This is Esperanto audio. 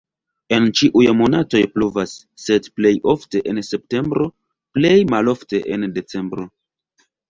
En ĉiuj monatoj pluvas, sed plej ofte en septembro, plej malofte en decembro.